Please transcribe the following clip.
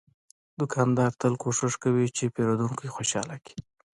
دوکاندار تل کوشش کوي چې پیرودونکی خوشاله کړي.